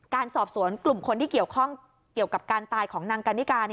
การสอบสวนกลุ่มคนที่เกี่ยวกับการตายของนางกัณฑิกา